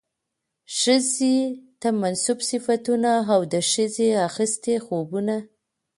ښځې ته منسوب صفتونه او د ښځې اخىستي خوىونه